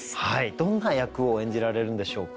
どんな役を演じられるんでしょうか？